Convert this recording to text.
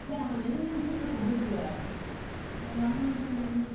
Některé vyšly až po jeho smrti.